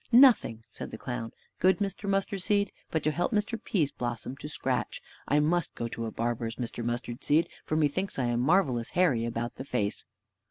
"Nothing," said the clown, "good Mr. Mustard seed, but to help Mr. Pease blossom to scratch; I must go to a barber's, Mr. Mustard seed, for methinks I am marvelous hairy about the face."